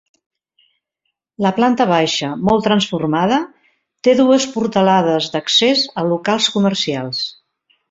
La planta baixa, molt transformada, té dues portalades d'accés a locals comercials.